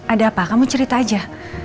ada apa kamu cerita aja